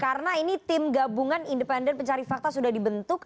karena ini tim gabungan independen mencari fakta sudah dibentuk